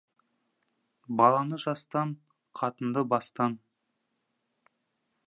Баланы жастан, қатынды бастан.